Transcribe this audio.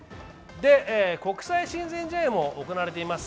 国際親善試合も行われています。